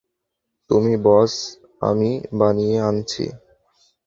তুমি বস, আমি বানিয়ে আনছি।